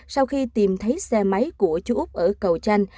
sau khi tìm thấy xe máy của chú úc ở cầu chanh